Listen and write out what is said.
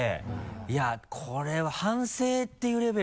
いやぁこれは反省っていうレベルじゃない。